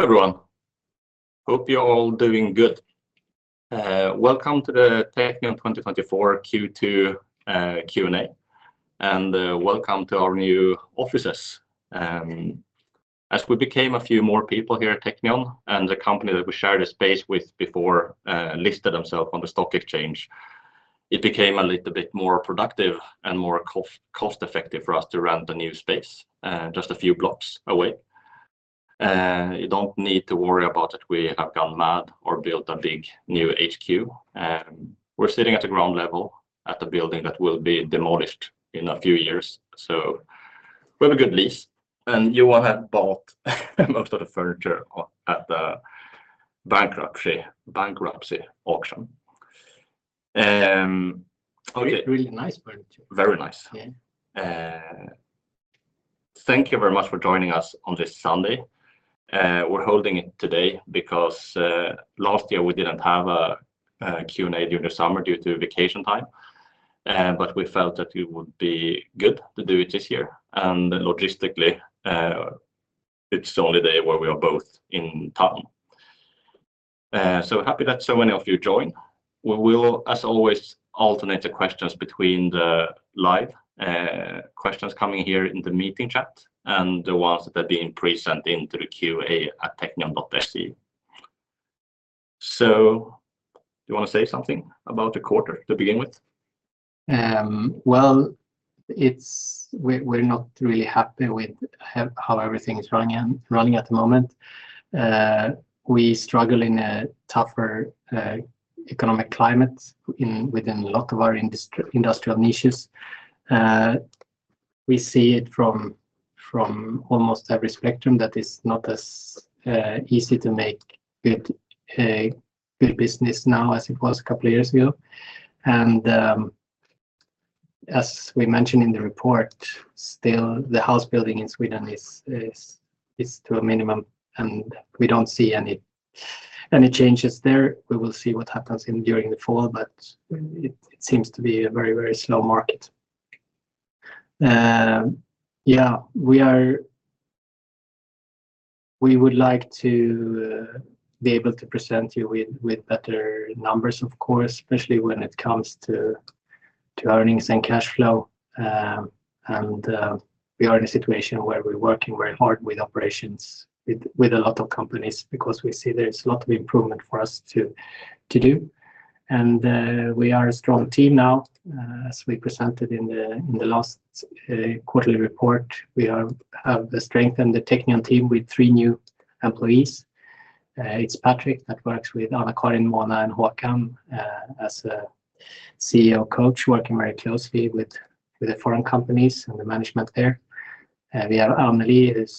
Hello, everyone. Hope you're all doing good. Welcome to the Teqnion 2024 Q2 Q&A, and welcome to our new offices. As we became a few more people here at Teqnion, and the company that we shared a space with before listed themselves on the stock exchange, it became a little bit more productive and more cost-effective for us to rent a new space just a few blocks away. You don't need to worry about that we have gone mad or built a big new HQ. We're sitting at the ground level at a building that will be demolished in a few years. So we have a good lease. And Johan had bought most of the furniture at the bankruptcy auction. Really nice furniture. Very nice. Thank you very much for joining us on this Sunday. We're holding it today because last year we didn't have a Q&A during the summer due to vacation time, but we felt that it would be good to do it this year. And logistically, it's the only day where we are both in town. So happy that so many of you joined. We will, as always, alternate the questions between the live questions coming here in the meeting chat and the ones that are being presented in the Q&A at Teqnion.se. So do you want to say something about the quarter to begin with? Well, we're not really happy with how everything is running at the moment. We struggle in a tougher economic climate within a lot of our industrial niches. We see it from almost every spectrum that it's not as easy to make good business now as it was a couple of years ago. And as we mentioned in the report, still the house building in Sweden is to a minimum, and we don't see any changes there. We will see what happens during the fall, but it seems to be a very, very slow market. Yeah, we would like to be able to present you with better numbers, of course, especially when it comes to earnings and cash flow. And we are in a situation where we're working very hard with operations, with a lot of companies, because we see there's a lot of improvement for us to do. We are a strong team now. As we presented in the last quarterly report, we have strengthened the Teqnion team with three new employees. It's Patrick that works with Anna-Karin and Håkan as a CEO Coach, working very closely with the foreign companies and the management there. We have Anneli who's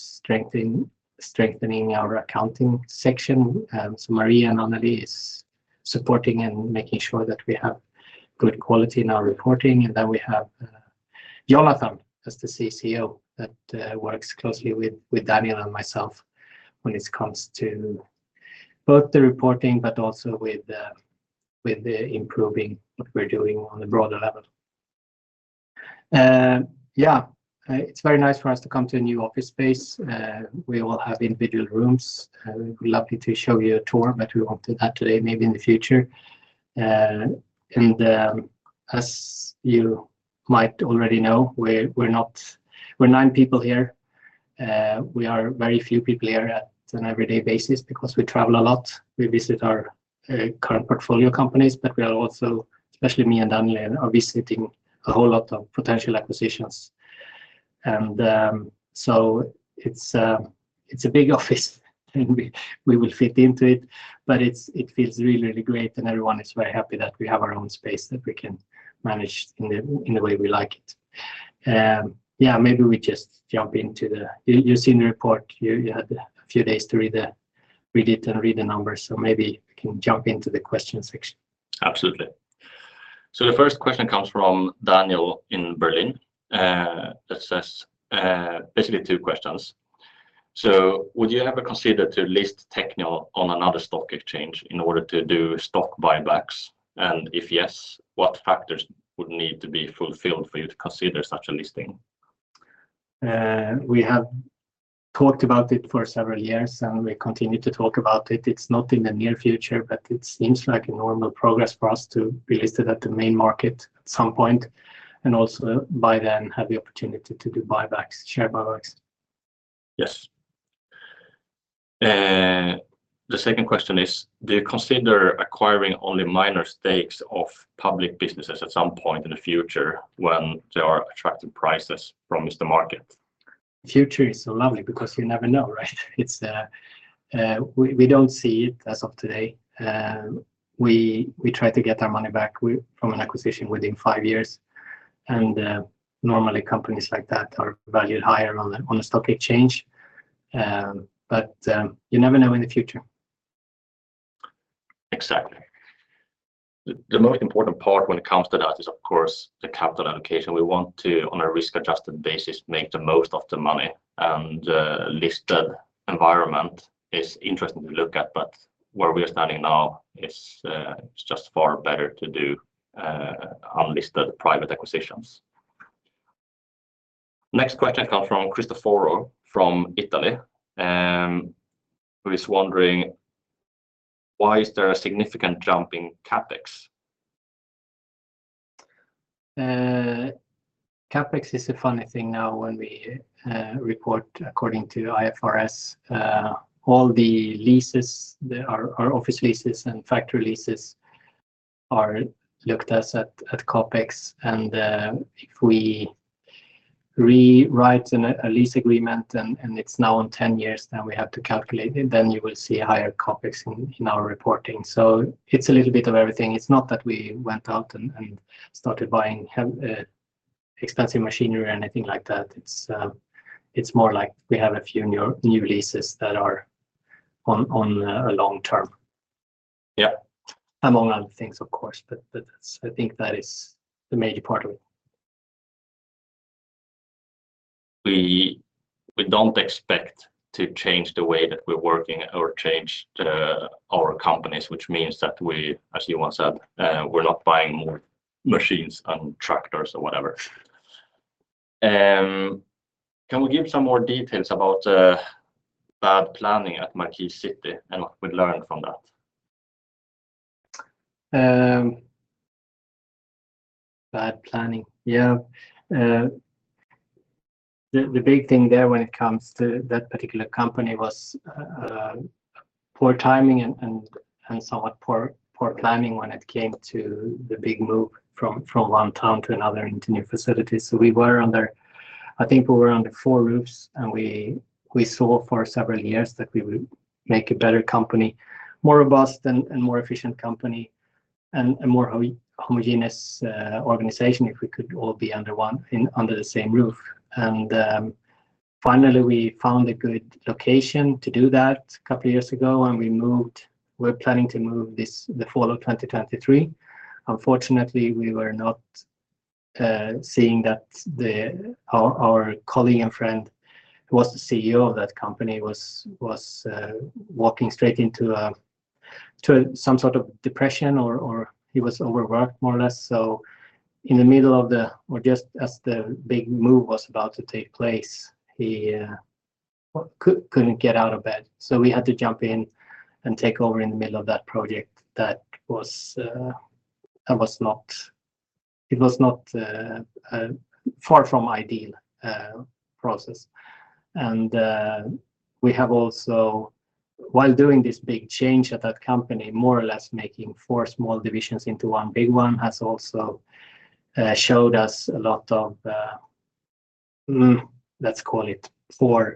strengthening our accounting section. Marie and Annelie are supporting and making sure that we have good quality in our reporting. Then we have Jonathan as the CCO that works closely with Daniel and myself when it comes to both the reporting, but also with the improving what we're doing on a broader level. Yeah, it's very nice for us to come to a new office space. We all have individual rooms. We'd love to show you a tour, but we won't do that today, maybe in the future. And as you might already know, we're nine people here. We are very few people here on an everyday basis because we travel a lot. We visit our current portfolio companies, but we are also, especially me and Daniel, are visiting a whole lot of potential acquisitions. And so it's a big office, and we will fit into it, but it feels really, really great, and everyone is very happy that we have our own space that we can manage in the way we like it. Yeah, maybe we just jump into the... You've seen the report. You had a few days to read it and read the numbers, so maybe we can jump into the question section. Absolutely. So the first question comes from Daniel in Berlin that says basically two questions. So would you ever consider to list Teqnion on another stock exchange in order to do stock buybacks? And if yes, what factors would need to be fulfilled for you to consider such a listing? We have talked about it for several years, and we continue to talk about it. It's not in the near future, but it seems like a normal progress for us to be listed at the main market at some point, and also by then have the opportunity to do buybacks, share buybacks. Yes. The second question is, do you consider acquiring only minor stakes of public businesses at some point in the future when they are attracting prices from the market? The future is so lovely because you never know, right? We don't see it as of today. We try to get our money back from an acquisition within five years. Normally companies like that are valued higher on a stock exchange, but you never know in the future. Exactly. The most important part when it comes to that is, of course, the capital allocation. We want to, on a risk-adjusted basis, make the most of the money. The listed environment is interesting to look at, but where we are standing now, it's just far better to do unlisted private acquisitions. Next question comes from Christophoro from Italy. He's wondering, why is there a significant jump in CapEx? CapEx is a funny thing now when we report according to IFRS. All the leases, our office leases and factory leases, are looked at as at CapEx. And if we rewrite a lease agreement and it's now on 10 years, then we have to calculate it, then you will see higher CapEx in our reporting. So it's a little bit of everything. It's not that we went out and started buying expensive machinery or anything like that. It's more like we have a few new leases that are on a long term. Yeah. Among other things, of course, but I think that is the major part of it. We don't expect to change the way that we're working or change our companies, which means that we, as Johan said, we're not buying more machines and tractors or whatever. Can we give some more details about bad planning at Markis City and what we learned from that? Bad planning, yeah. The big thing there when it comes to that particular company was poor timing and somewhat poor planning when it came to the big move from one town to another into new facilities. So we were under, I think we were under four roofs, and we saw for several years that we would make a better company, more robust and more efficient company, and a more homogeneous organization if we could all be under the same roof. And finally, we found a good location to do that a couple of years ago, and we moved. We're planning to move this the fall of 2023. Unfortunately, we were not seeing that our colleague and friend who was the CEO of that company was walking straight into some sort of depression or he was overworked, more or less. So, in the middle of the, or just as the big move was about to take place, he couldn't get out of bed. So we had to jump in and take over in the middle of that project that was not, it was not far from ideal process. And we have also, while doing this big change at that company, more or less making four small divisions into one big one, has also showed us a lot of, let's call it poor,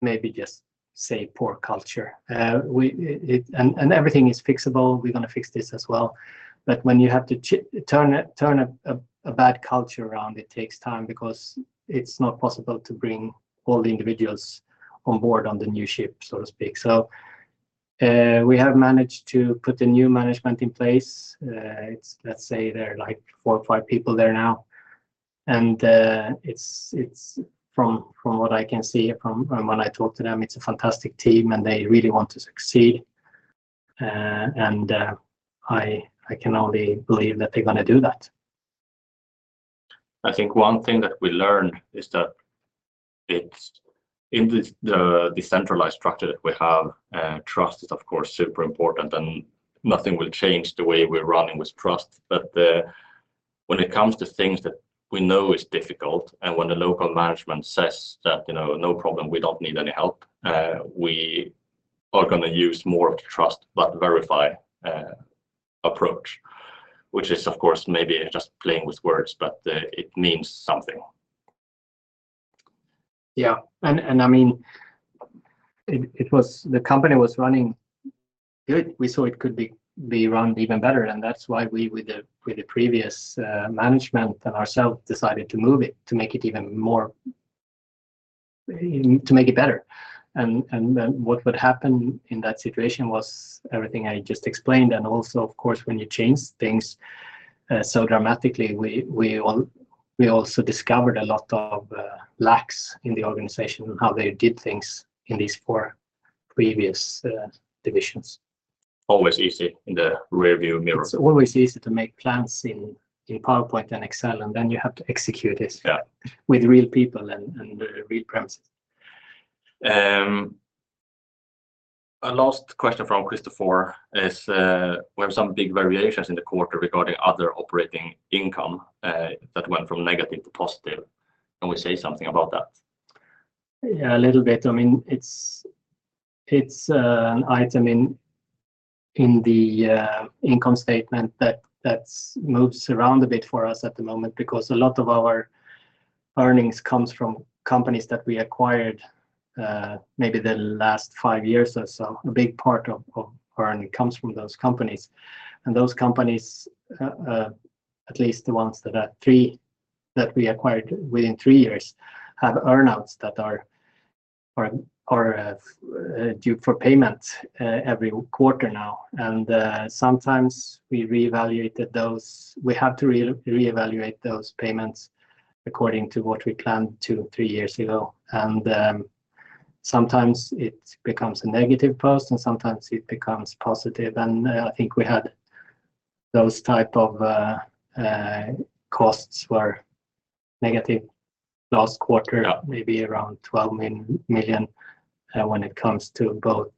maybe just say poor culture. And everything is fixable. We're going to fix this as well. But when you have to turn a bad culture around, it takes time because it's not possible to bring all the individuals on board on the new ship, so to speak. So we have managed to put a new management in place. Let's say there are like four or five people there now. From what I can see from when I talk to them, it's a fantastic team and they really want to succeed. I can only believe that they're going to do that. I think one thing that we learned is that in the decentralized structure that we have, trust is, of course, super important, and nothing will change the way we're running with trust. But when it comes to things that we know are difficult, and when the local management says that, no problem, we don't need any help, we are going to use more of the trust but verify approach, which is, of course, maybe just playing with words, but it means something. Yeah. And I mean, the company was running good. We saw it could be run even better, and that's why we with the previous management and ourselves decided to move it to make it even more, to make it better. And what would happen in that situation was everything I just explained. And also, of course, when you change things so dramatically, we also discovered a lot of lacks in the organization and how they did things in these four previous divisions. Always easy in the rearview mirror. It's always easy to make plans in PowerPoint and Excel, and then you have to execute it with real people and real premises. A last question from Christophoro is, we have some big variations in the quarter regarding other operating income that went from negative to positive. Can we say something about that? Yeah, a little bit. I mean, it's an item in the income statement that moves around a bit for us at the moment because a lot of our earnings comes from companies that we acquired maybe the last 5 years or so. A big part of our earnings comes from those companies. And those companies, at least the ones that are three that we acquired within 3 years, have earnings that are due for payment every quarter now. And sometimes we reevaluated those. We have to reevaluate those payments according to what we planned 2, 3 years ago. And sometimes it becomes a negative post and sometimes it becomes positive. I think we had those types of costs that were negative last quarter, maybe around 12 million when it comes to both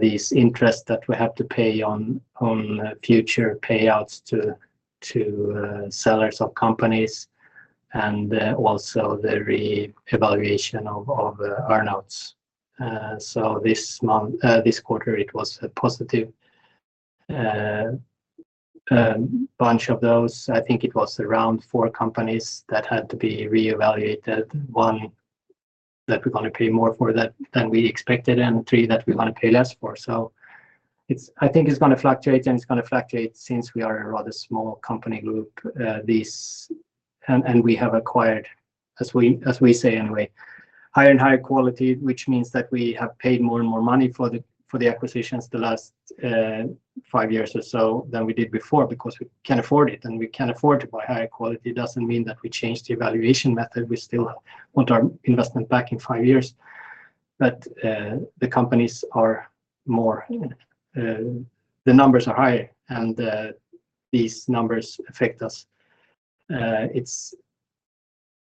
these interests that we have to pay on future payouts to sellers of companies and also the re-evaluation of earnings. So this quarter, it was a positive bunch of those. I think it was around four companies that had to be re-evaluated, one that we're going to pay more for than we expected, and three that we're going to pay less for. So I think it's going to fluctuate, and it's going to fluctuate since we are a rather small company group. And we have acquired, as we say anyway, higher and higher quality, which means that we have paid more and more money for the acquisitions the last five years or so than we did before because we can afford it. We can afford to buy higher quality. It doesn't mean that we changed the evaluation method. We still want our investment back in five years. But the companies are more, the numbers are higher, and these numbers affect us.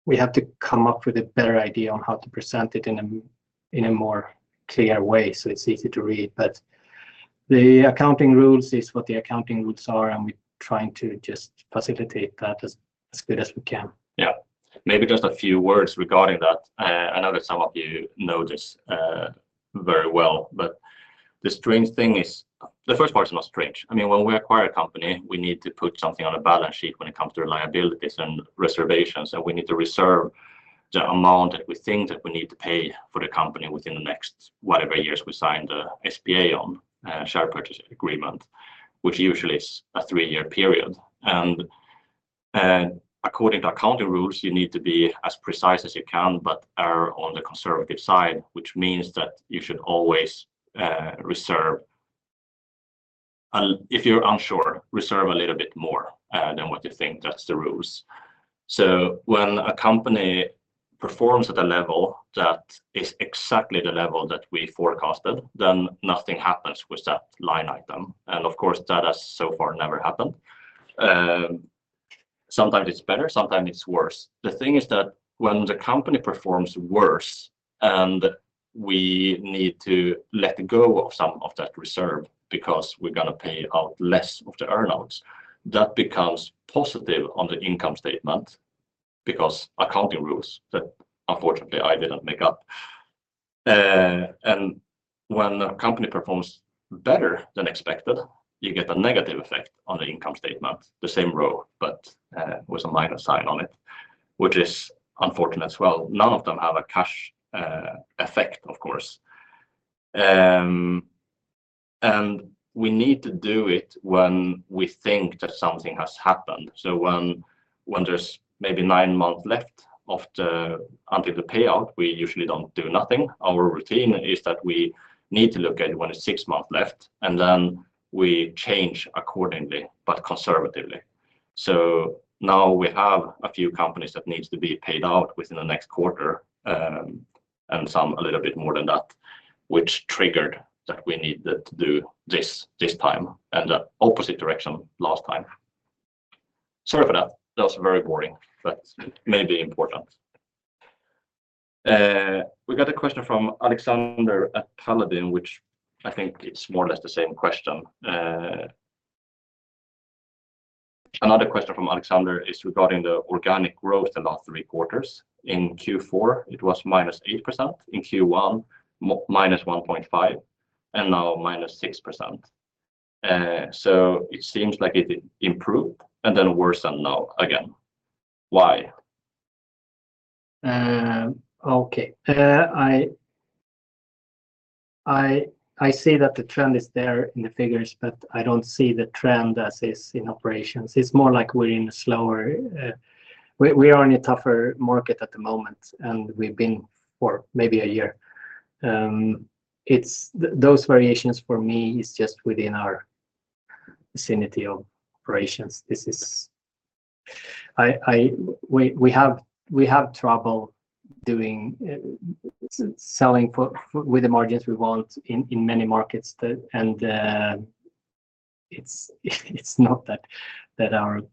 We have to come up with a better idea on how to present it in a more clear way so it's easy to read. But the accounting rules is what the accounting rules are, and we're trying to just facilitate that as good as we can. Yeah. Maybe just a few words regarding that. I know that some of you know this very well, but the strange thing is, the first part is not strange. I mean, when we acquire a company, we need to put something on a balance sheet when it comes to liabilities and reservations, and we need to reserve the amount that we think that we need to pay for the company within the next whatever years we sign the SPA on, share purchase agreement, which usually is a three-year period. And according to accounting rules, you need to be as precise as you can but err on the conservative side, which means that you should always reserve. If you're unsure, reserve a little bit more than what you think. That's the rules. So when a company performs at a level that is exactly the level that we forecasted, then nothing happens with that line item. And of course, that has so far never happened. Sometimes it's better. Sometimes it's worse. The thing is that when the company performs worse and we need to let go of some of that reserve because we're going to pay out less of the earnings, that becomes positive on the income statement because accounting rules that unfortunately I didn't make up. And when a company performs better than expected, you get a negative effect on the income statement, the same row, but with a minus sign on it, which is unfortunate as well. None of them have a cash effect, of course. And we need to do it when we think that something has happened. So when there's maybe 9 months left until the payout, we usually don't do nothing. Our routine is that we need to look at it when it's 6 months left, and then we change accordingly but conservatively. So now we have a few companies that need to be paid out within the next quarter and some a little bit more than that, which triggered that we needed to do this this time and the opposite direction last time. Sorry for that. That was very boring, but maybe important. We got a question from Alexander at Paladin, which I think it's more or less the same question. Another question from Alexander is regarding the organic growth in the last three quarters. In Q4, it was -8%. In Q1, -1.5%, and now -6%. So it seems like it improved and then worsened now again. Why? Okay. I see that the trend is there in the figures, but I don't see the trend as is in operations. It's more like we're in a slower, we are in a tougher market at the moment, and we've been for maybe a year. Those variations for me is just within our vicinity of operations. We have trouble doing selling with the margins we want in many markets, and it's not that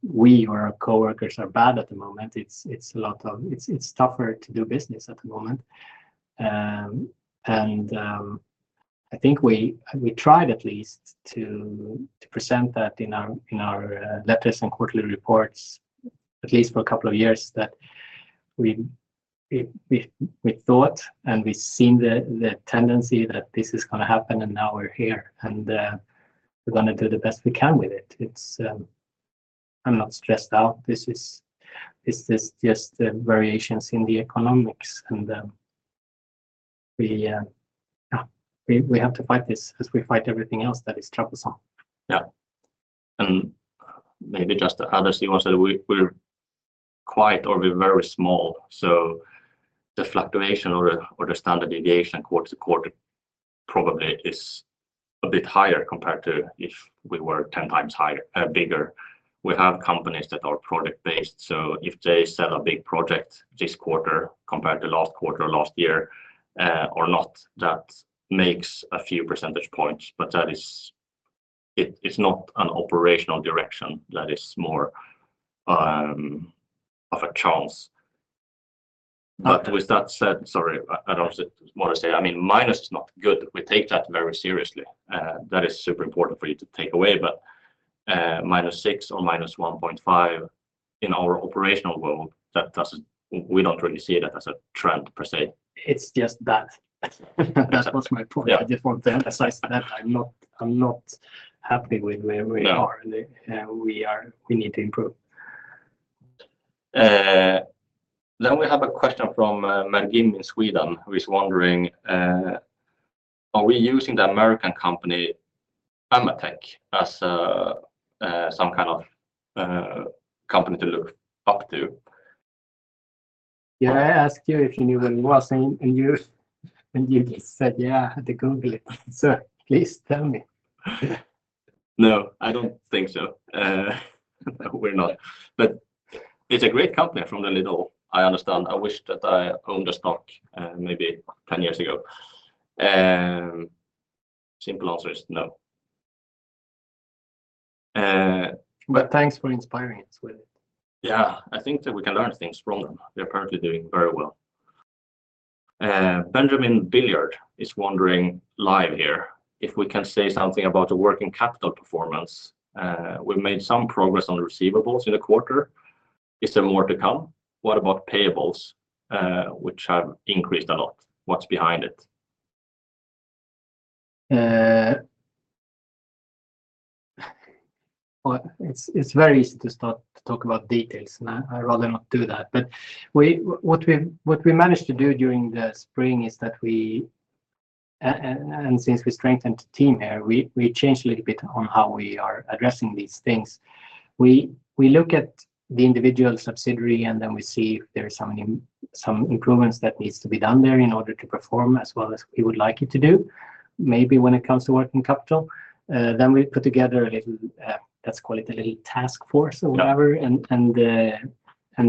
we or our coworkers are bad at the moment. It's a lot of, it's tougher to do business at the moment. And I think we tried at least to present that in our letters and quarterly reports, at least for a couple of years, that we thought and we've seen the tendency that this is going to happen, and now we're here, and we're going to do the best we can with it. I'm not stressed out. This is just the variations in the economics, and we have to fight this as we fight everything else that is troublesome. Yeah. And maybe just the other thing was that we're quite or we're very small. So the fluctuation or the standard deviation quarter to quarter probably is a bit higher compared to if we were 10 times bigger. We have companies that are project-based. So if they sell a big project this quarter compared to last quarter or last year or not, that makes a few percentage points, but that is, it's not an operational direction. That is more of a chance. But with that said, sorry, I don't know what to say. I mean, minus is not good. We take that very seriously. That is super important for you to take away, but -6% or -1.5% in our operational world, we don't really see that as a trend per se. It's just that. That was my point. I just want to emphasize that I'm not happy with where we are, and we need to improve. Then we have a question from Margrim in Sweden who is wondering, are we using the American company AMETEK as some kind of company to look up to? Yeah, I asked you if you knew what it was, and you said, yeah, had to Google it. So please tell me. No, I don't think so. We're not. But it's a great company from the little, I understand. I wish that I owned a stock maybe 10 years ago. Simple answer is no. But thanks for inspiring us with it. Yeah, I think that we can learn things from them. They're apparently doing very well. Benjamin Belliard is wondering live here if we can say something about the working capital performance. We've made some progress on receivables in the quarter. Is there more to come? What about payables, which have increased a lot? What's behind it? It's very easy to talk about details, and I'd rather not do that. But what we managed to do during the spring is that we, and since we strengthened the team here, we changed a little bit on how we are addressing these things. We look at the individual subsidiary, and then we see if there are some improvements that need to be done there in order to perform as well as we would like it to do, maybe when it comes to working capital. Then we put together a little, let's call it a little task force or whatever, and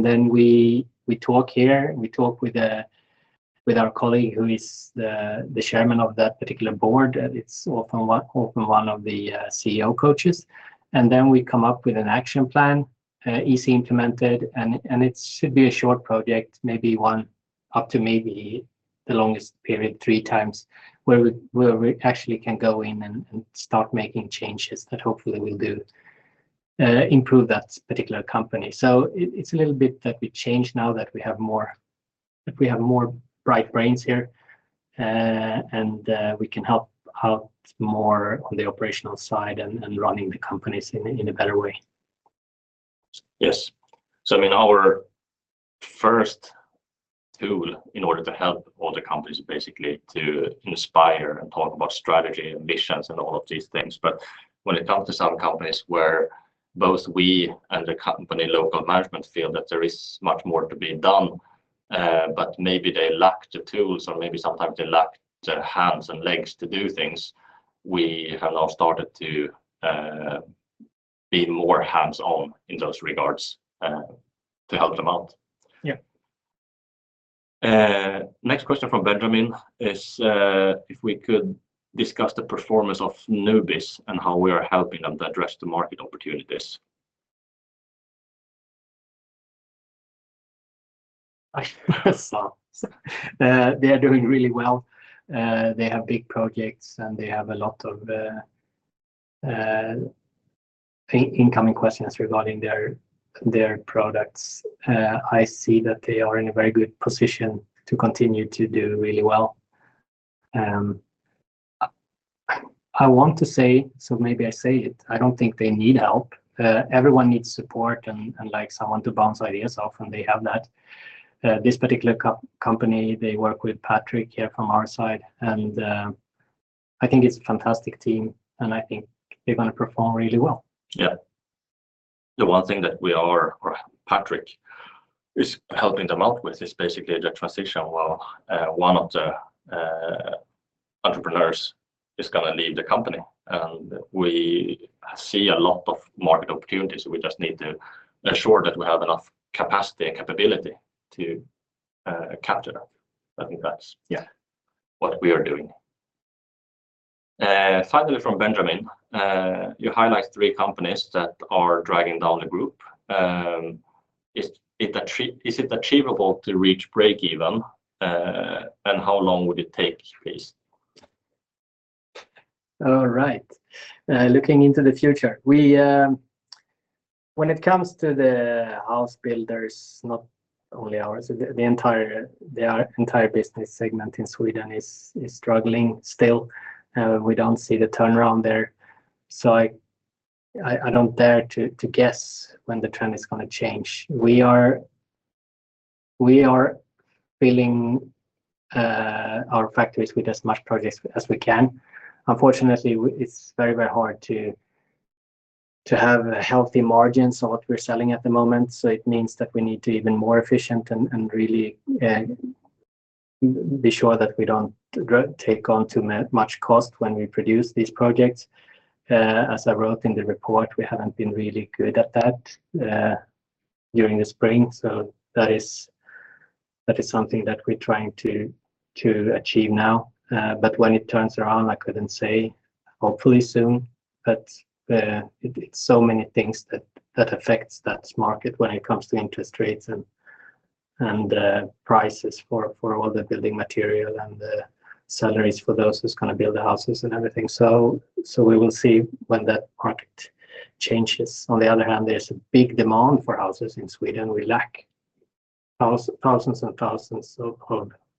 then we talk here. We talk with our colleague who is the chairman of that particular board. It's often one of the CEO coaches. And then we come up with an action plan, easy to implement, and it should be a short project, maybe one up to maybe the longest period, three times, where we actually can go in and start making changes that hopefully will improve that particular company. So it's a little bit that we change now that we have more bright brains here, and we can help out more on the operational side and running the companies in a better way. Yes. So I mean, our first tool in order to help all the companies basically to inspire and talk about strategy and missions and all of these things. But when it comes to some companies where both we and the company local management feel that there is much more to be done, but maybe they lack the tools or maybe sometimes they lack the hands and legs to do things, we have now started to be more hands-on in those regards to help them out. Yeah. Next question from Benjamin is if we could discuss the performance of Nubis and how we are helping them to address the market opportunities. They are doing really well. They have big projects, and they have a lot of incoming questions regarding their products. I see that they are in a very good position to continue to do really well. I want to say, so maybe I say it, I don't think they need help. Everyone needs support and like someone to bounce ideas off, and they have that. This particular company, they work with Patrick here from our side, and I think it's a fantastic team, and I think they're going to perform really well. Yeah. The one thing that we are, or Patrick, is helping them out with is basically the transition while one of the entrepreneurs is going to leave the company. We see a lot of market opportunities. We just need to ensure that we have enough capacity and capability to capture that. I think that's what we are doing. Finally, from Benjamin, you highlight three companies that are dragging down the group. Is it achievable to reach breakeven, and how long would it take, please? All right. Looking into the future, when it comes to the house builders, not only ours, the entire business segment in Sweden is struggling still. We don't see the turnaround there. I don't dare to guess when the trend is going to change. We are filling our factories with as much projects as we can. Unfortunately, it's very, very hard to have a healthy margin on what we're selling at the moment. It means that we need to be even more efficient and really be sure that we don't take on too much cost when we produce these projects. As I wrote in the report, we haven't been really good at that during the spring. That is something that we're trying to achieve now. But when it turns around, I couldn't say, hopefully soon. But it's so many things that affect that market when it comes to interest rates and prices for all the building material and the salaries for those who are going to build the houses and everything. So we will see when that market changes. On the other hand, there's a big demand for houses in Sweden. We lack thousands and thousands of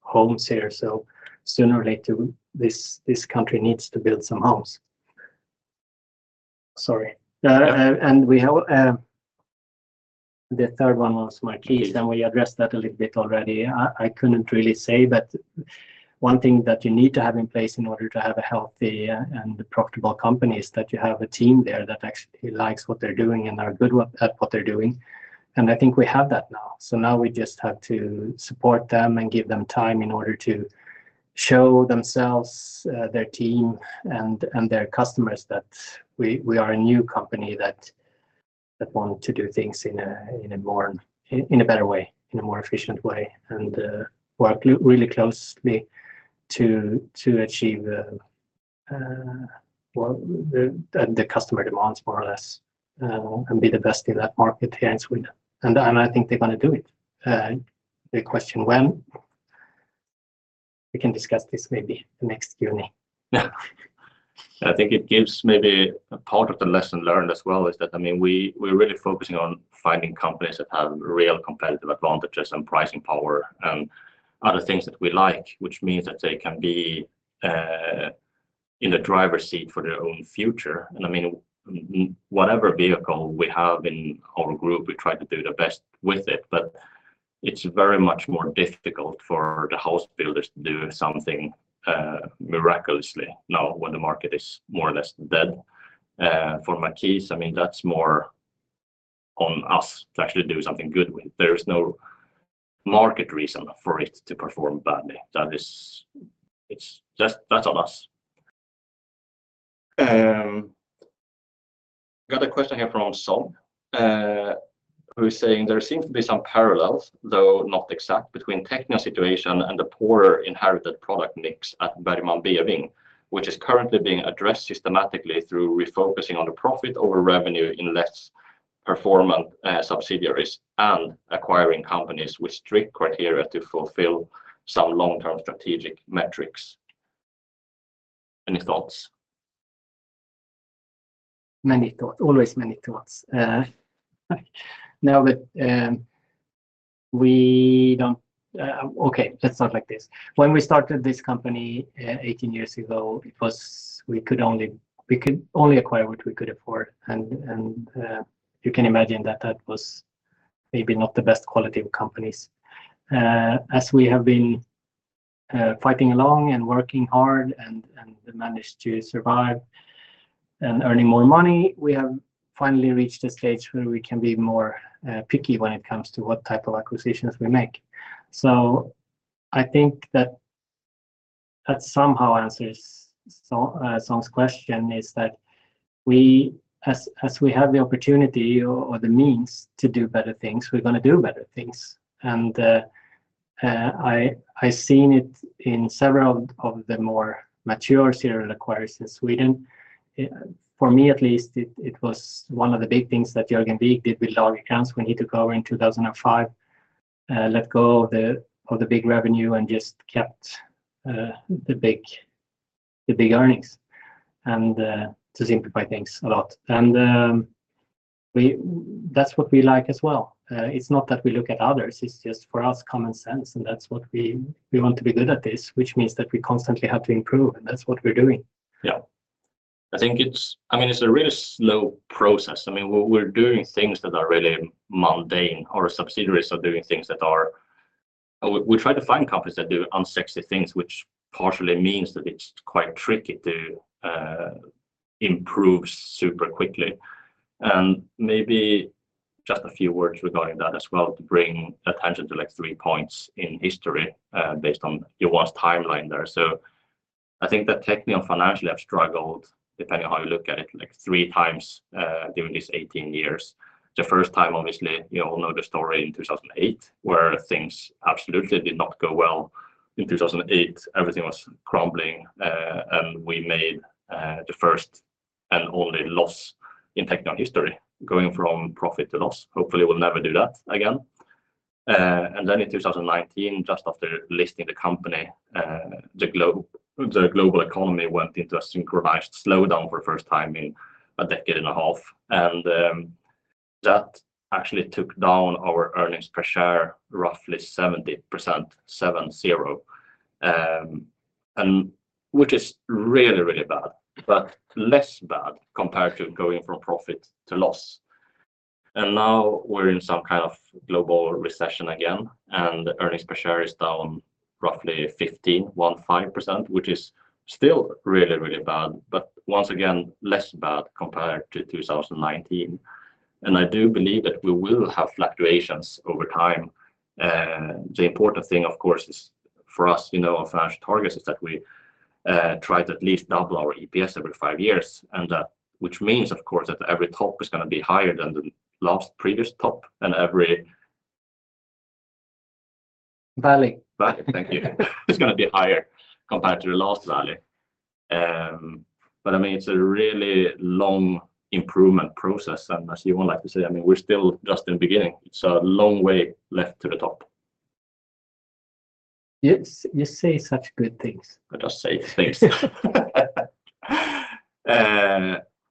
homes here. So sooner or later, this country needs to build some homes. Sorry. And the third one was Markis City, and we addressed that a little bit already. I couldn't really say, but one thing that you need to have in place in order to have a healthy and profitable company is that you have a team there that actually likes what they're doing and are good at what they're doing. And I think we have that now. So now we just have to support them and give them time in order to show themselves, their team, and their customers that we are a new company that wants to do things in a better way, in a more efficient way, and work really closely to achieve the customer demands more or less and be the best in that market here in Sweden. I think they're going to do it. The question when, we can discuss this maybe next Q&A. Yeah. I think it gives maybe a part of the lesson learned as well is that, I mean, we're really focusing on finding companies that have real competitive advantages and pricing power and other things that we like, which means that they can be in the driver's seat for their own future. And I mean, whatever vehicle we have in our group, we try to do the best with it, but it's very much more difficult for the house builders to do something miraculously now when the market is more or less dead. For Markis, I mean, that's more on us to actually do something good with. There is no market reason for it to perform badly. That's on us. I got a question here from Song, who is saying there seems to be some parallels, though not exact, between Teqnion's situation and the poorer inherited product mix at Bergman & Beving, which is currently being addressed systematically through refocusing on the profit over revenue in less performant subsidiaries and acquiring companies with strict criteria to fulfill some long-term strategic metrics. Any thoughts? Many thoughts. Always many thoughts. Now, we don't, okay, let's not like this. When we started this company 18 years ago, we could only acquire what we could afford. And you can imagine that that was maybe not the best quality of companies. As we have been fighting along and working hard and managed to survive and earning more money, we have finally reached a stage where we can be more picky when it comes to what type of acquisitions we make. So I think that that somehow answers Song's question, is that as we have the opportunity or the means to do better things, we're going to do better things. And I've seen it in several of the more mature serial acquirers in Sweden. For me at least, it was one of the big things that Jörgen Wigh did with Lagercrantz when he took over in 2005, let go of the big revenue and just kept the big earnings to simplify things a lot. That's what we like as well. It's not that we look at others. It's just for us common sense, and that's what we want to be good at this, which means that we constantly have to improve, and that's what we're doing. Yeah. I think it's, I mean, it's a really slow process. I mean, we're doing things that are really mundane, or subsidiaries are doing things that are, we try to find companies that do unsexy things, which partially means that it's quite tricky to improve super quickly. And maybe just a few words regarding that as well to bring attention to three points in history based on your one timeline there. So I think that Teqnion financially have struggled, depending on how you look at it, like three times during these 18 years. The first time, obviously, you all know the story in 2008 where things absolutely did not go well. In 2008, everything was crumbling, and we made the first and only loss in Teqnion history going from profit to loss. Hopefully, we'll never do that again. And then in 2019, just after listing the company, the global economy went into a synchronized slowdown for the first time in a decade and a half. And that actually took down our earnings per share roughly 70%, 7-0, which is really, really bad, but less bad compared to going from profit to loss. And now we're in some kind of global recession again, and earnings per share is down roughly 15%, which is still really, really bad, but once again, less bad compared to 2019. And I do believe that we will have fluctuations over time. The important thing, of course, is for us, you know, our financial targets is that we try to at least double our EPS every five years, which means, of course, that every top is going to be higher than the last previous top and every. Valley. Valley, thank you. It's going to be higher compared to the last valley. But I mean, it's a really long improvement process. And as you all like to say, I mean, we're still just in the beginning. It's a long way left to the top. You say such good things. I just say things.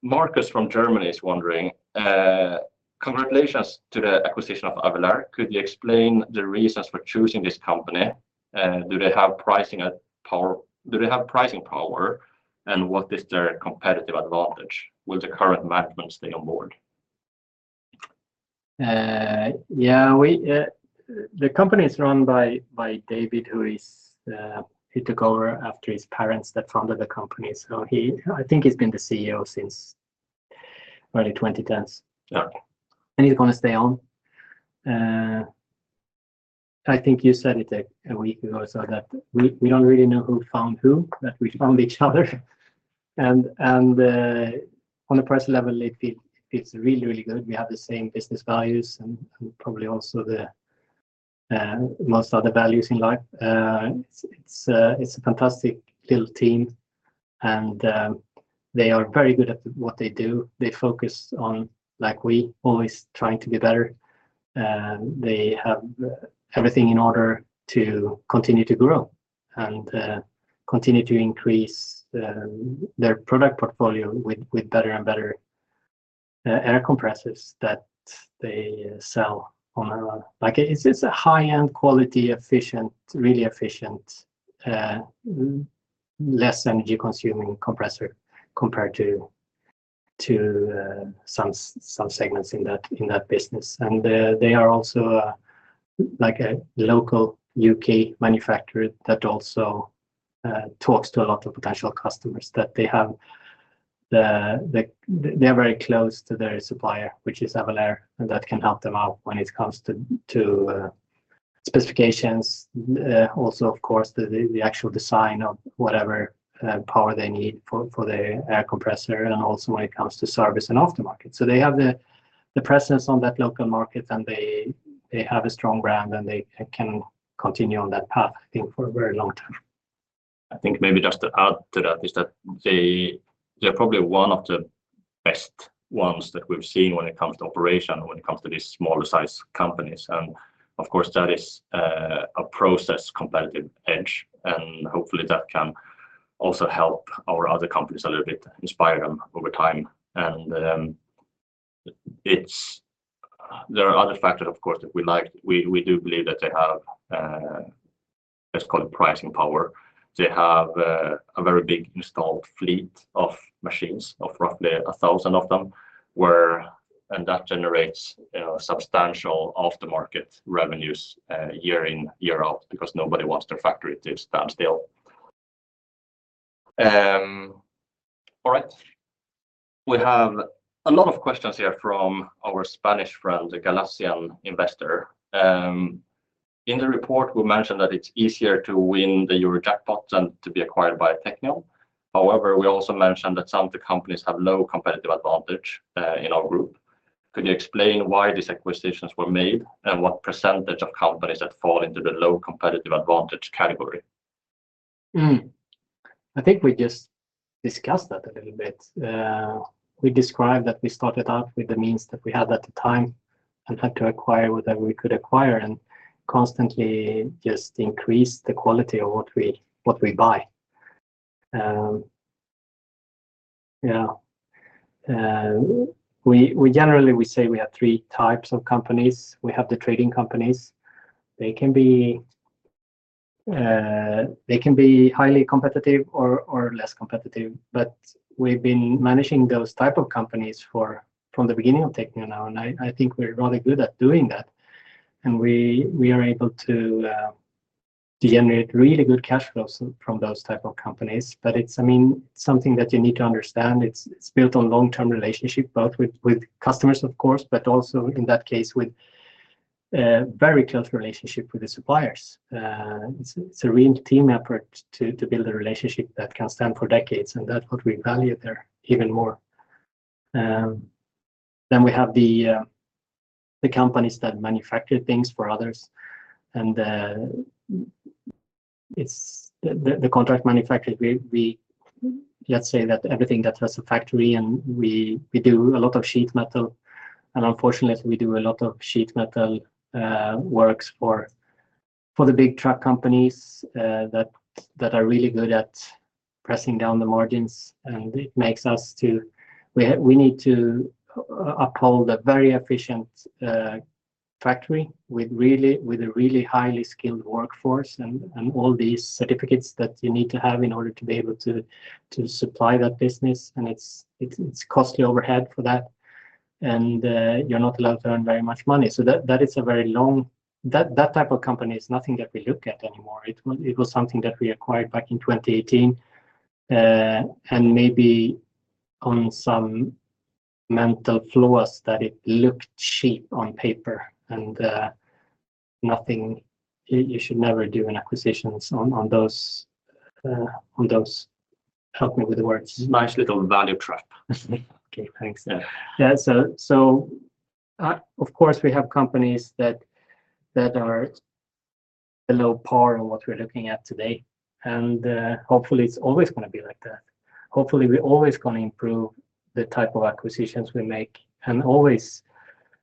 Marcus from Germany is wondering, "Congratulations to the acquisition of Avelair. Could you explain the reasons for choosing this company? Do they have pricing power? And what is their competitive advantage? Will the current management stay on board? Yeah. The company is run by David, who took over after his parents that founded the company. So I think he's been the CEO since early 2010s. And he's going to stay on. I think you said it a week ago or so that we don't really know who found who, that we found each other. And on a personal level, it feels really, really good. We have the same business values and probably also most other values in life. It's a fantastic little team, and they are very good at what they do. They focus on, like we, always trying to be better. They have everything in order to continue to grow and continue to increase their product portfolio with better and better air compressors that they sell on. It's a high-end, quality, efficient, really efficient, less energy-consuming compressor compared to some segments in that business. They are also like a local UK manufacturer that also talks to a lot of potential customers that they have. They are very close to their supplier, which is Avelair, and that can help them out when it comes to specifications. Also, of course, the actual design of whatever power they need for the air compressor and also when it comes to service and aftermarket. So they have the presence on that local market, and they have a strong brand, and they can continue on that path, I think, for a very long time. I think maybe just to add to that is that they are probably one of the best ones that we've seen when it comes to operation, when it comes to these smaller-sized companies. And of course, that is a process competitive edge, and hopefully that can also help our other companies a little bit, inspire them over time. And there are other factors, of course, that we like. We do believe that they have, let's call it pricing power. They have a very big installed fleet of machines, of roughly 1,000 of them, and that generates substantial aftermarket revenues year in, year out because nobody wants their factory to stand still. All right. We have a lot of questions here from our Spanish friend, the Galician Investor. In the report, we mentioned that it's easier to win the EuroJackpot than to be acquired by Teqnion. However, we also mentioned that some of the companies have low competitive advantage in our group. Could you explain why these acquisitions were made and what percentage of companies that fall into the low competitive advantage category? I think we just discussed that a little bit. We described that we started out with the means that we had at the time and had to acquire whatever we could acquire and constantly just increase the quality of what we buy. Yeah. Generally, we say we have three types of companies. We have the trading companies. They can be highly competitive or less competitive, but we've been managing those types of companies from the beginning of Teqnion now, and I think we're rather good at doing that. We are able to generate really good cash flows from those types of companies. But I mean, it's something that you need to understand. It's built on long-term relationship, both with customers, of course, but also in that case, with very close relationships with the suppliers. It's a real team effort to build a relationship that can stand for decades, and that's what we value there even more. Then we have the companies that manufacture things for others. And the contract manufacturers, let's say that everything that has a factory, and we do a lot of sheet metal. And unfortunately, we do a lot of sheet metal works for the big truck companies that are really good at pressing down the margins. And it makes us to, we need to uphold a very efficient factory with a really highly skilled workforce and all these certificates that you need to have in order to be able to supply that business. And it's costly overhead for that, and you're not allowed to earn very much money. So that is a very long, that type of company is nothing that we look at anymore. It was something that we acquired back in 2018 and maybe on some mental flaws that it looked cheap on paper. You should never do an acquisition on those. Help me with the words. It's a nice little value trap. Okay, thanks. Yeah. So of course, we have companies that are below par on what we're looking at today. And hopefully, it's always going to be like that. Hopefully, we're always going to improve the type of acquisitions we make and always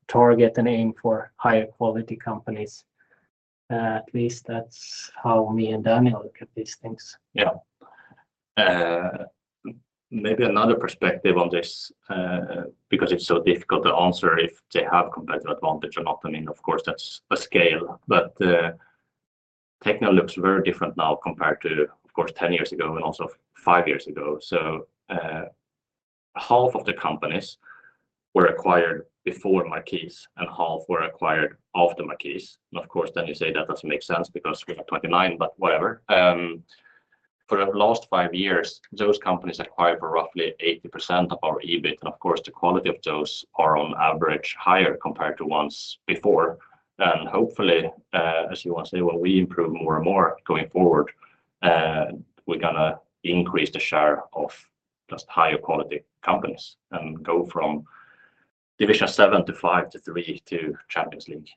target and aim for higher quality companies. At least that's how me and Daniel look at these things. Yeah. Maybe another perspective on this, because it's so difficult to answer if they have competitive advantage or not. I mean, of course, that's a scale, but Teqnion looks very different now compared to, of course, 10 years ago and also five years ago. So half of the companies were acquired before Markis and half were acquired after Markis. And of course, then you say that doesn't make sense because we have 29, but whatever. For the last five years, those companies acquired for roughly 80% of our EBIT, and of course, the quality of those are on average higher compared to ones before. And hopefully, as you want to say, when we improve more and more going forward, we're going to increase the share of just higher quality companies and go from Division 7 to 5 to 3 to Champions League.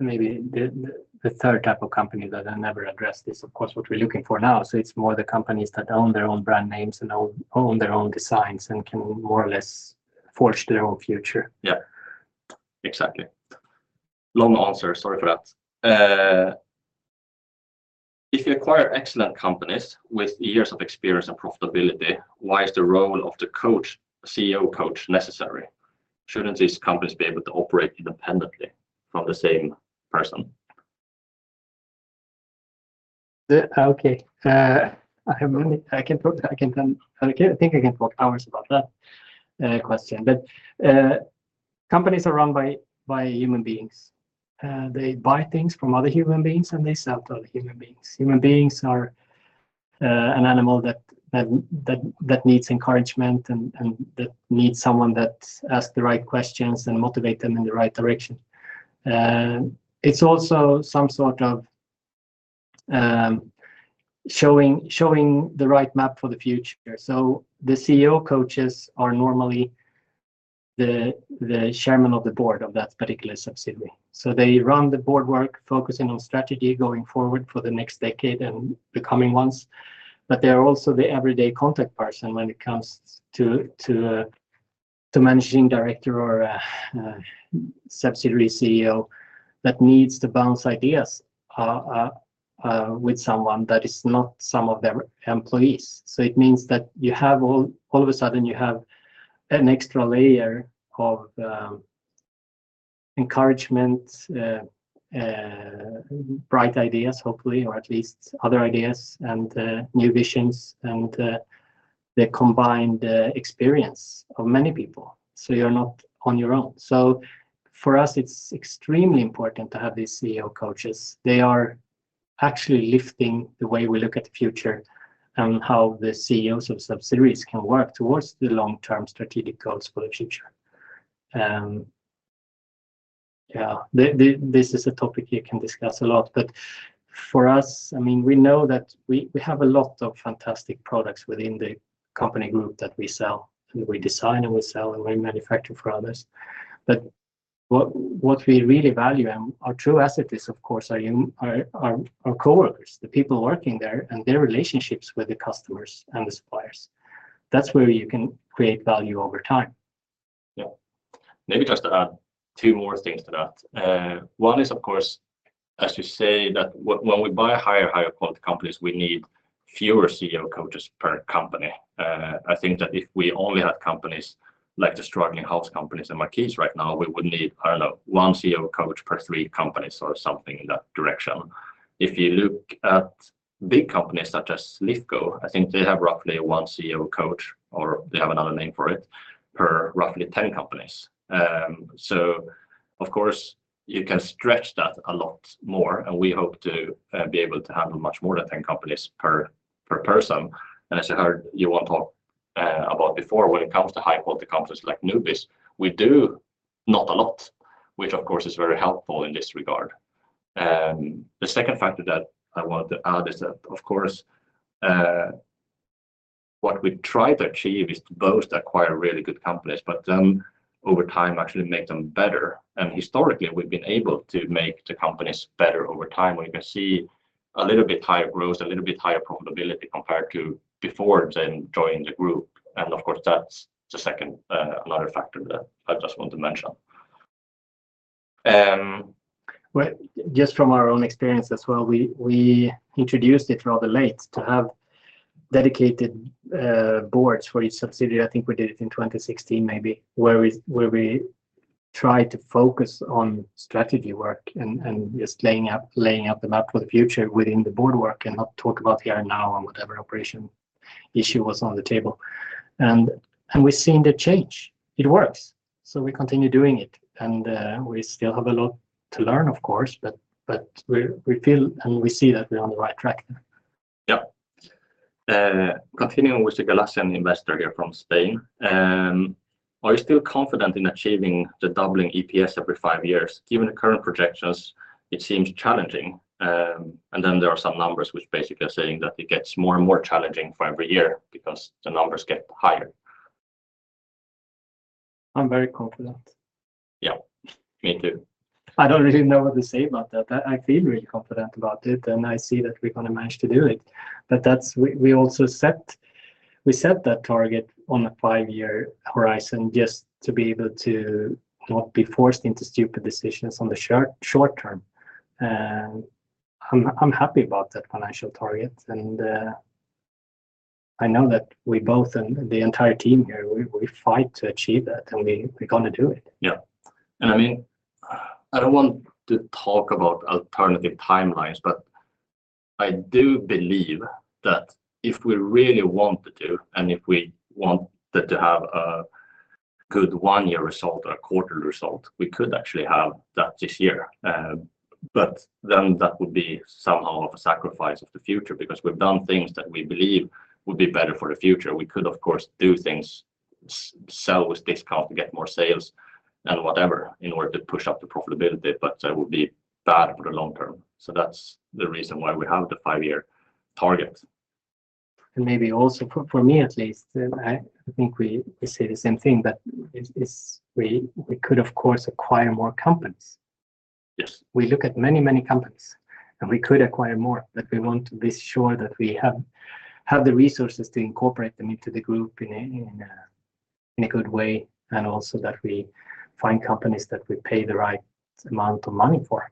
Maybe the third type of company that I never addressed is, of course, what we're looking for now. So it's more the companies that own their own brand names and own their own designs and can more or less forge their own future. Yeah. Exactly. Long answer, sorry for that. If you acquire excellent companies with years of experience and profitability, why is the role of the CEO Coach necessary? Shouldn't these companies be able to operate independently from the same person? Okay. I can talk, I think I can talk hours about that question, but companies are run by human beings. They buy things from other human beings and they sell to other human beings. Human beings are an animal that needs encouragement and that needs someone that asks the right questions and motivates them in the right direction. It's also some sort of showing the right map for the future. So the CEO coaches are normally the chairman of the board of that particular subsidiary. So they run the board work, focusing on strategy going forward for the next decade and the coming ones. But they're also the everyday contact person when it comes to managing director or subsidiary CEO that needs to bounce ideas with someone that is not some of their employees. So it means that you have all of a sudden, you have an extra layer of encouragement, bright ideas, hopefully, or at least other ideas and new visions and the combined experience of many people. So you're not on your own. So for us, it's extremely important to have these CEO coaches. They are actually lifting the way we look at the future and how the CEOs of subsidiaries can work towards the long-term strategic goals for the future. Yeah. This is a topic you can discuss a lot, but for us, I mean, we know that we have a lot of fantastic products within the company group that we sell and we design and we sell and we manufacture for others. But what we really value and our true asset is, of course, our coworkers, the people working there and their relationships with the customers and the suppliers. That's where you can create value over time. Yeah. Maybe just to add two more things to that. One is, of course, as you say, that when we buy higher, higher quality companies, we need fewer CEO coaches per company. I think that if we only had companies like the struggling house companies and Markis City right now, we would need, I don't know, one CEO coach per three companies or something in that direction. If you look at big companies such as Lifco, I think they have roughly one CEO coach or they have another name for it per roughly 10 companies. So of course, you can stretch that a lot more, and we hope to be able to handle much more than 10 companies per person. As I heard you want to talk about before, when it comes to high-quality companies like Nubis, we do not a lot, which of course is very helpful in this regard. The second factor that I wanted to add is that, of course, what we try to achieve is to both acquire really good companies, but then over time, actually make them better. Historically, we've been able to make the companies better over time, where you can see a little bit higher growth, a little bit higher profitability compared to before then joining the group. Of course, that's the second, another factor that I just want to mention. Just from our own experience as well, we introduced it rather late to have dedicated boards for each subsidiary. I think we did it in 2016 maybe, where we tried to focus on strategy work and just laying out the map for the future within the board work and not talk about here and now on whatever operation issue was on the table. We've seen the change. It works. We continue doing it. We still have a lot to learn, of course, but we feel and we see that we're on the right track there. Yeah. Continuing with the Galician investor here from Spain, are you still confident in achieving the doubling EPS every five years? Given the current projections, it seems challenging. And then there are some numbers which basically are saying that it gets more and more challenging for every year because the numbers get higher. I'm very confident. Yeah. Me too. I don't really know what to say about that. I feel really confident about it, and I see that we're going to manage to do it. But we also set that target on a five-year horizon just to be able to not be forced into stupid decisions on the short term. And I'm happy about that financial target. And I know that we both and the entire team here, we fight to achieve that, and we're going to do it. Yeah. And I mean, I don't want to talk about alternative timelines, but I do believe that if we really want to do, and if we wanted to have a good one-year result or a quarterly result, we could actually have that this year. But then that would be somehow of a sacrifice of the future because we've done things that we believe would be better for the future. We could, of course, do things, sell with discount to get more sales and whatever in order to push up the profitability, but that would be bad for the long term. So that's the reason why we have the five-year target. Maybe also for me at least, I think we say the same thing, but we could, of course, acquire more companies. We look at many, many companies, and we could acquire more, but we want to be sure that we have the resources to incorporate them into the group in a good way and also that we find companies that we pay the right amount of money for.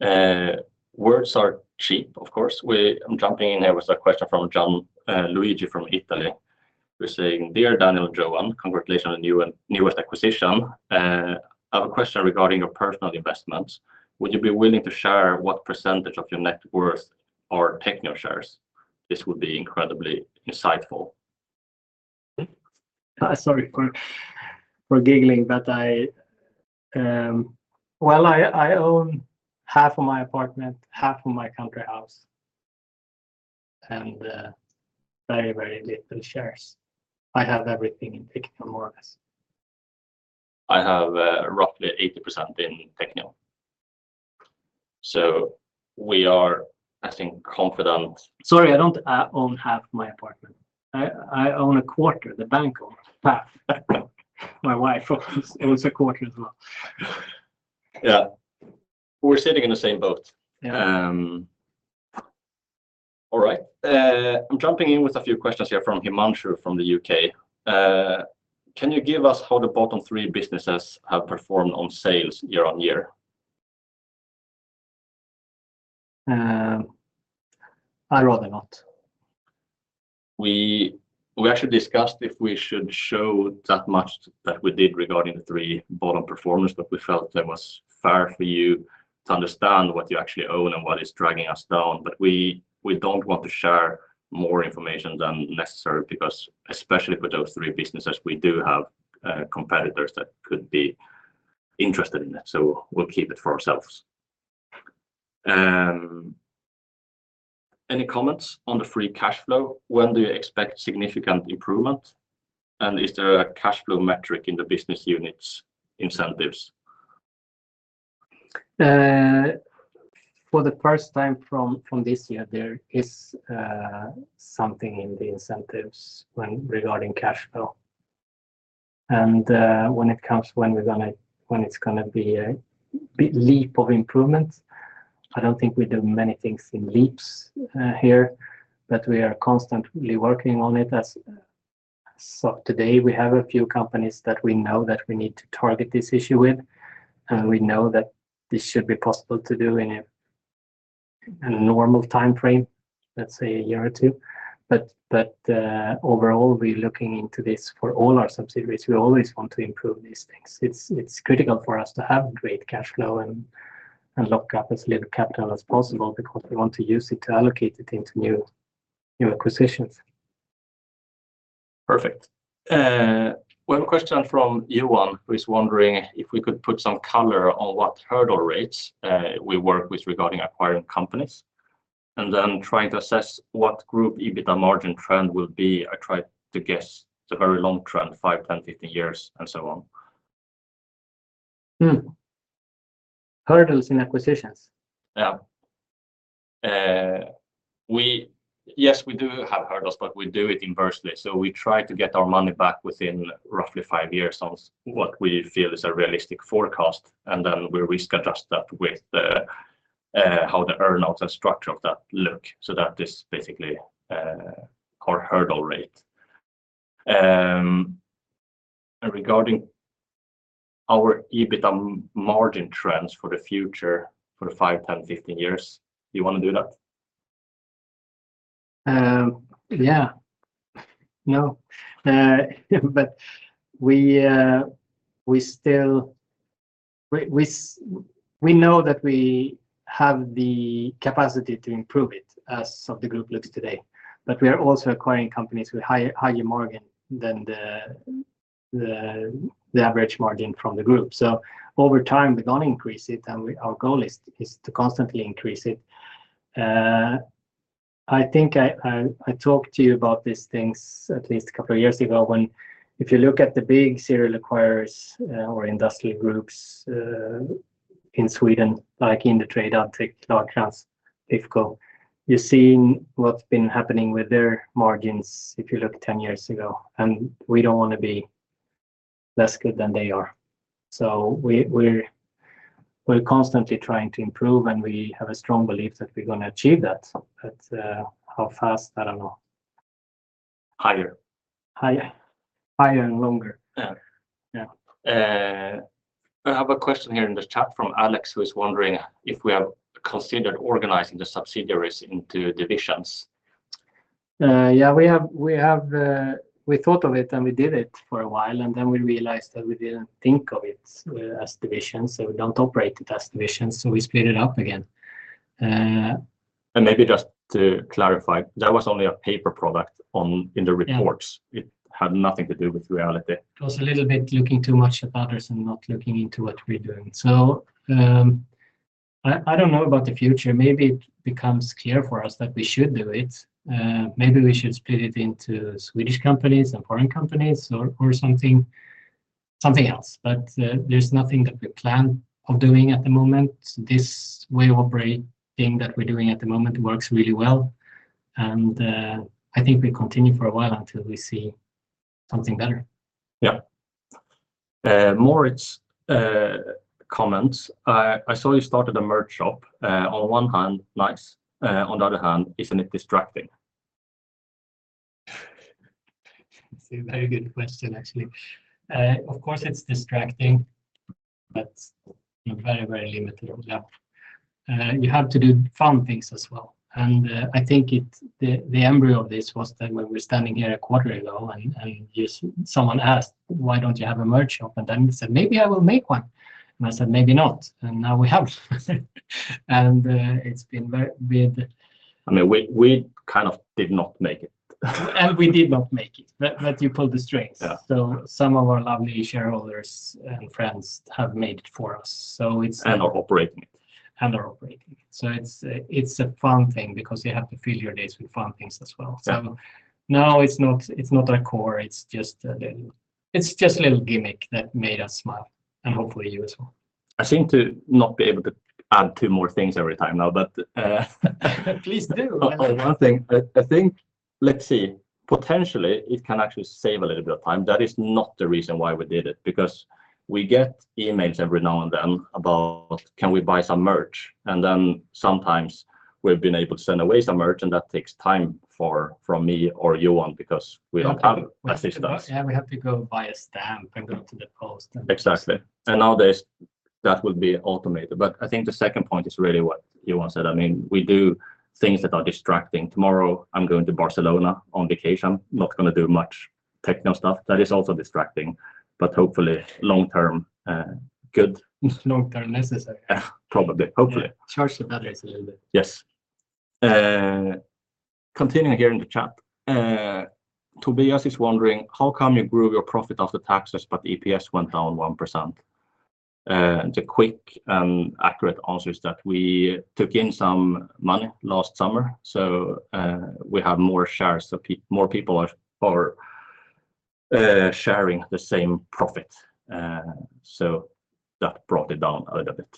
Yeah. Words are cheap, of course. I'm jumping in here with a question from Gianluigi from Italy. We're saying, "Dear Daniel and Johan, congratulations on the newest acquisition. I have a question regarding your personal investments. Would you be willing to share what percentage of your net worth are Teqnion shares? This would be incredibly insightful. Sorry for giggling, but well, I own half of my apartment, half of my country house, and very, very little shares. I have everything in Teqnion, more or less. I have roughly 80% in Teqnion. So we are, I think, confident. Sorry, I don't own half of my apartment. I own a quarter, the bank owns half. My wife owns a quarter as well. Yeah. We're sitting in the same boat. All right. I'm jumping in with a few questions here from Himanshu from the UK. Can you give us how the bottom three businesses have performed on sales year-over-year? I'd rather not. We actually discussed if we should show that much that we did regarding the three bottom performers, but we felt it was fair for you to understand what you actually own and what is dragging us down. But we don't want to share more information than necessary because especially for those three businesses, we do have competitors that could be interested in it. So we'll keep it for ourselves. Any comments on the Free Cash Flow? When do you expect significant improvement? And is there a cash flow metric in the business units' incentives? For the first time from this year, there is something in the incentives regarding cash flow. When it comes to when it's going to be a leap of improvement, I don't think we do many things in leaps here, but we are constantly working on it. As of today, we have a few companies that we know that we need to target this issue with. We know that this should be possible to do in a normal timeframe, let's say a year or two. Overall, we're looking into this for all our subsidiaries. We always want to improve these things. It's critical for us to have great cash flow and lock up as little capital as possible because we want to use it to allocate it into new acquisitions. Perfect. We have a question from Yuan, who is wondering if we could put some color on what hurdle rates we work with regarding acquiring companies. And then trying to assess what group EBITDA margin trend will be. I tried to guess the very long trend, 5, 10, 15 years, and so on. Hurdles in acquisitions? Yeah. Yes, we do have hurdles, but we do it inversely. So we try to get our money back within roughly 5 years on what we feel is a realistic forecast, and then we risk adjust that with how the earnings and structure of that look. So that is basically our hurdle rate. And regarding our EBITDA margin trends for the future for 5, 10, 15 years, do you want to do that? Yeah. No. But we still know that we have the capacity to improve it as the group looks today. But we are also acquiring companies with higher margin than the average margin from the group. So over time, we're going to increase it, and our goal is to constantly increase it. I think I talked to you about these things at least a couple of years ago when, if you look at the big serial acquirers or industrial groups in Sweden, like Indutrade, Lifco, you've seen what's been happening with their margins if you look 10 years ago. And we don't want to be less good than they are. So we're constantly trying to improve, and we have a strong belief that we're going to achieve that. But how fast, I don't know. Higher. Higher and longer. Yeah. I have a question here in the chat from Alex, who is wondering if we have considered organizing the subsidiaries into divisions. Yeah, we thought of it, and we did it for a while, and then we realized that we didn't think of it as divisions. So we don't operate it as divisions. So we split it up again. Maybe just to clarify, that was only a paper product in the reports. It had nothing to do with reality. It was a little bit looking too much at others and not looking into what we're doing. I don't know about the future. Maybe it becomes clear for us that we should do it. Maybe we should split it into Swedish companies and foreign companies or something else. There's nothing that we plan on doing at the moment. This way of operating that we're doing at the moment works really well. I think we continue for a while until we see something better. Yeah. Moritz comments. I saw you started a merch shop. On one hand, nice. On the other hand, isn't it distracting? It's a very good question, actually. Of course, it's distracting, but very, very limited. Yeah. You have to do fun things as well. And I think the embryo of this was that when we're standing here a quarter ago and someone asked, "Why don't you have a merch shop?" And then we said, "Maybe I will make one." And I said, "Maybe not." And now we have. And it's been very good. I mean, we kind of did not make it. We did not make it, but you pulled the strings. Some of our lovely shareholders and friends have made it for us. So it's. are operating it. Are operating it. It's a fun thing because you have to fill your days with fun things as well. Now it's not our core. It's just a little gimmick that made us smile. And hopefully, you as well. I seem to not be able to add two more things every time now, but. Please do. One thing, I think, let's see, potentially, it can actually save a little bit of time. That is not the reason why we did it because we get emails every now and then about, "Can we buy some merch?" And then sometimes we've been able to send away some merch, and that takes time from me or Yuan because we don't have assistance. Yeah, we have to go buy a stamp and go to the post. Exactly. And nowadays, that would be automated. But I think the second point is really what Yuan said. I mean, we do things that are distracting. Tomorrow, I'm going to Barcelona on vacation. I'm not going to do much Teqnion stuff. That is also distracting, but hopefully, long term, good. Long term, necessary. Probably. Hopefully. Charge the batteries a little bit. Yes. Continuing here in the chat. Tobias is wondering, "How come you grew your profit after taxes, but EPS went down 1%?" The quick and accurate answer is that we took in some money last summer. So we have more shares. So more people are sharing the same profit. So that brought it down a little bit.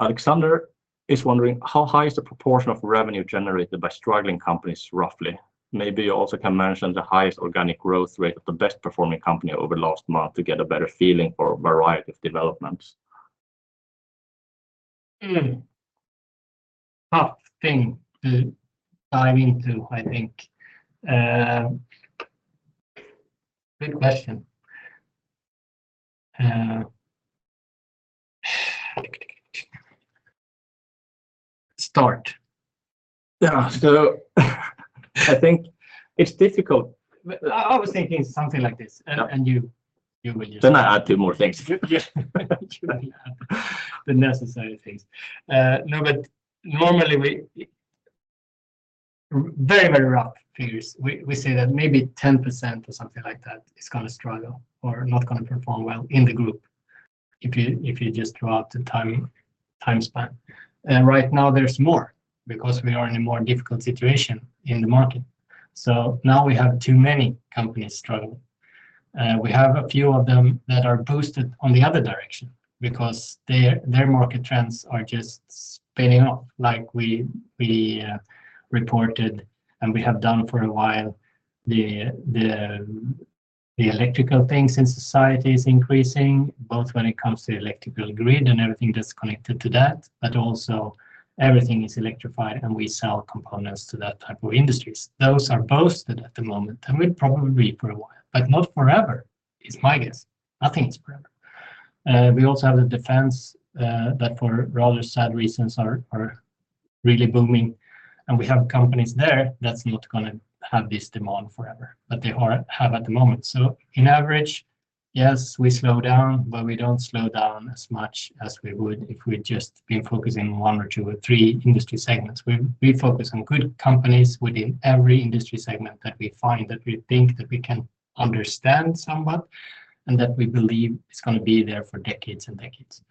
Alexander is wondering, "How high is the proportion of revenue generated by struggling companies, roughly?" Maybe you also can mention the highest organic growth rate of the best-performing company over the last month to get a better feeling for a variety of developments. Tough thing to dive into, I think. Good question. Start. Yeah. I think it's difficult. I was thinking something like this, and you will use. Then I add two more things. The necessary things. No, but normally, very, very rough figures. We say that maybe 10% or something like that is going to struggle or not going to perform well in the group if you just draw out the time span. And right now, there's more because we are in a more difficult situation in the market. So now we have too many companies struggling. We have a few of them that are boosted on the other direction because their market trends are just spinning off, like we reported and we have done for a while. The electrical things in society are increasing, both when it comes to electrical grid and everything that's connected to that, but also everything is electrified, and we sell components to that type of industries. Those are boosted at the moment, and we'll probably be for a while, but not forever, is my guess. Nothing is forever. We also have the defense that for rather sad reasons are really booming. We have companies there that's not going to have this demand forever, but they have at the moment. On average, yes, we slow down, but we don't slow down as much as we would if we'd just been focusing on one or two or three industry segments. We focus on good companies within every industry segment that we find that we think that we can understand somewhat and that we believe it's going to be there for decades and decades.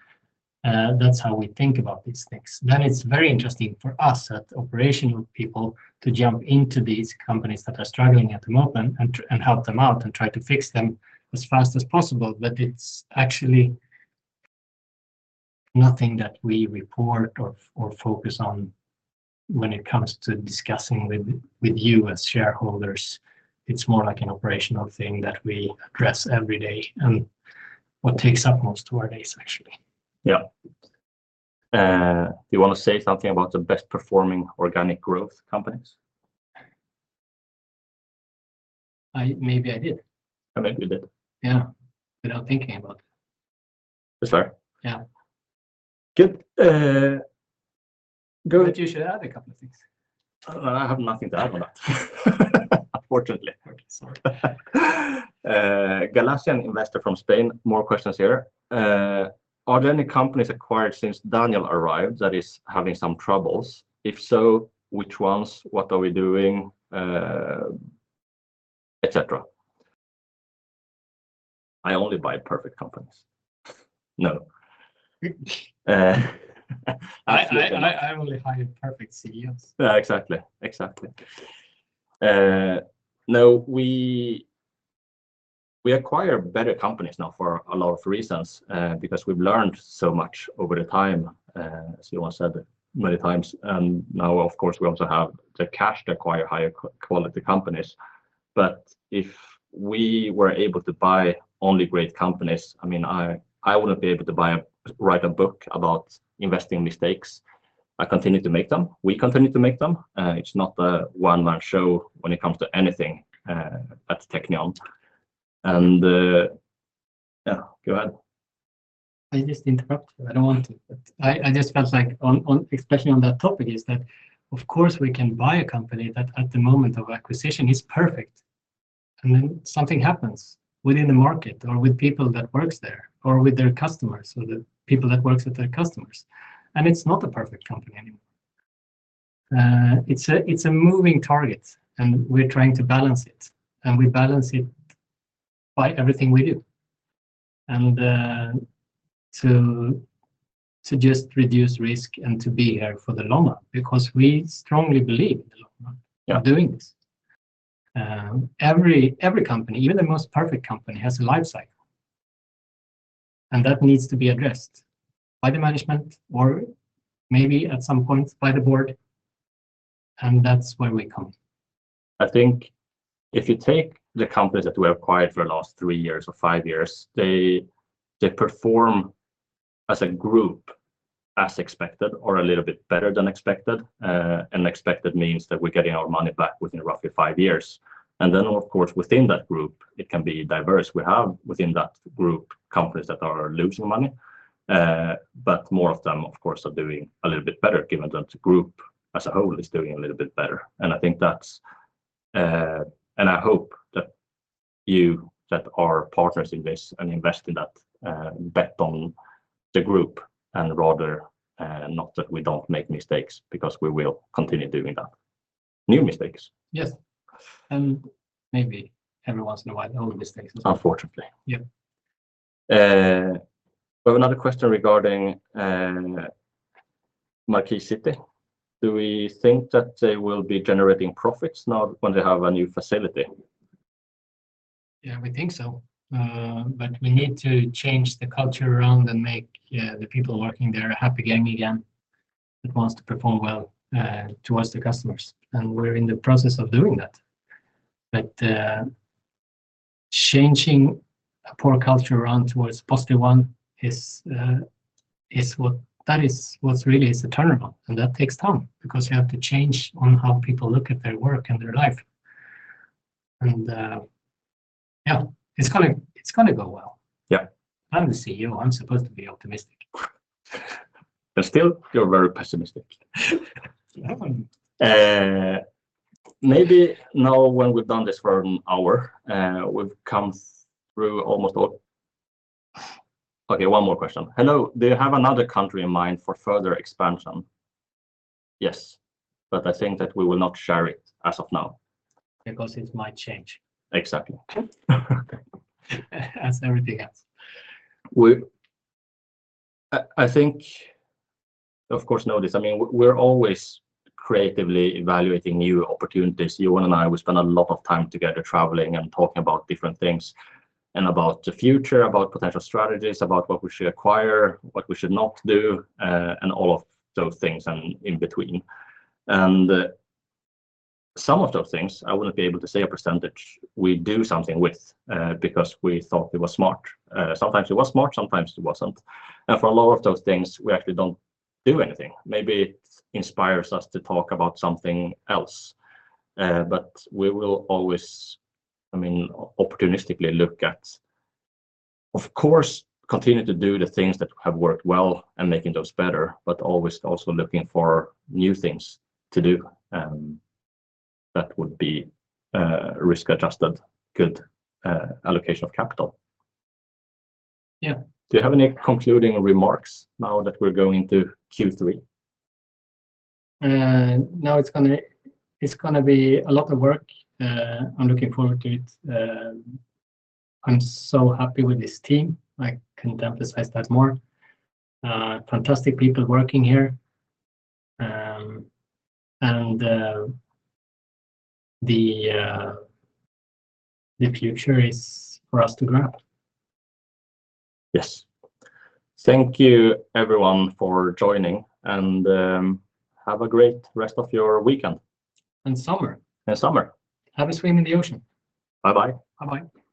That's how we think about these things. It's very interesting for us as operational people to jump into these companies that are struggling at the moment and help them out and try to fix them as fast as possible. It's actually nothing that we report or focus on when it comes to discussing with you as shareholders. It's more like an operational thing that we address every day and what takes up most of our days, actually. Yeah. Do you want to say something about the best-performing organic growth companies? Maybe I did. I think you did. Yeah. Without thinking about it. Is there? Yeah. Good. But you should add a couple of things. I have nothing to add on that, unfortunately. Okay, sorry. Galician Investor from Spain, more questions here. Are there any companies acquired since Daniel arrived that are having some troubles? If so, which ones? What are we doing? Etc. I only buy perfect companies. No. I only hire perfect CEOs. Exactly. Exactly. No, we acquire better companies now for a lot of reasons because we've learned so much over the time, as Yuan said many times. And now, of course, we also have the cash to acquire higher quality companies. But if we were able to buy only great companies, I mean, I wouldn't be able to write a book about investing mistakes. I continue to make them. We continue to make them. It's not a one-man show when it comes to anything at Teqnion. And yeah, go ahead. I just interrupted. I don't want to. I just felt like an expression on that topic is that, of course, we can buy a company that at the moment of acquisition is perfect. Then something happens within the market or with people that work there or with their customers or the people that work with their customers. It's not a perfect company anymore. It's a moving target, and we're trying to balance it. We balance it by everything we do to just reduce risk and to be here for the long run because we strongly believe in the long run of doing this. Every company, even the most perfect company, has a life cycle. That needs to be addressed by the management or maybe at some point by the board. That's where we come. I think if you take the companies that we have acquired for the last three years or five years, they perform as a group as expected or a little bit better than expected. And expected means that we're getting our money back within roughly five years. And then, of course, within that group, it can be diverse. We have within that group companies that are losing money, but more of them, of course, are doing a little bit better given that the group as a whole is doing a little bit better. And I think that's, and I hope that you that are partners in this and invest in that bet on the group and rather not that we don't make mistakes because we will continue doing that. New mistakes. Yes. And maybe every once in a while, old mistakes as well. Unfortunately. Yeah. We have another question regarding Markis City. Do we think that they will be generating profits now when they have a new facility? Yeah, we think so. But we need to change the culture around and make the people working there a happy gang again that wants to perform well towards the customers. And we're in the process of doing that. But changing a poor culture around towards a positive one is what really is a turnaround. And that takes time because you have to change on how people look at their work and their life. And yeah, it's going to go well. I'm the CEO. I'm supposed to be optimistic. But still, you're very pessimistic. I am. Maybe now when we've done this for an hour, we've come through almost all. Okay, one more question. Hello, do you have another country in mind for further expansion? Yes, but I think that we will not share it as of now. Because it might change. Exactly. As everything else. I think, of course, know this. I mean, we're always creatively evaluating new opportunities. Yuan and I, we spend a lot of time together traveling and talking about different things and about the future, about potential strategies, about what we should acquire, what we should not do, and all of those things and in between. Some of those things, I wouldn't be able to say a percentage we do something with because we thought it was smart. Sometimes it was smart. Sometimes it wasn't. For a lot of those things, we actually don't do anything. Maybe it inspires us to talk about something else. We will always, I mean, opportunistically look at, of course, continue to do the things that have worked well and making those better, but always also looking for new things to do. That would be risk-adjusted good allocation of capital. Yeah. Do you have any concluding remarks now that we're going to Q3? No, it's going to be a lot of work. I'm looking forward to it. I'm so happy with this team. I can't emphasize that more. Fantastic people working here. The future is for us to grab. Yes. Thank you, everyone, for joining. Have a great rest of your weekend. And summer. And summer. Have a swim in the ocean. Bye-bye. Bye-bye.